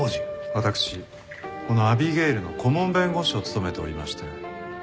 私このアビゲイルの顧問弁護士を務めておりまして。